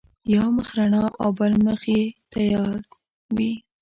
یو مخ رڼا او بل مخ یې تیار وي.